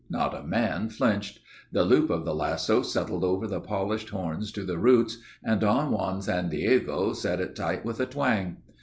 Not a man flinched. The loop of the lasso settled over the polished horns to the roots, and Don Juan San Diego set it tight with a twang.